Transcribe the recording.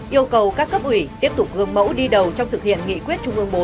yêu cầu các cấp ủy tiếp tục gương mẫu đi đầu trong thực hiện nghị quyết trung ương bốn